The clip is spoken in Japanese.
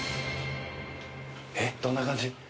えっどんな感じ？